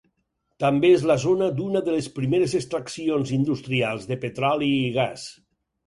També és la zona d'una de les primeres extraccions industrials de petroli i gas.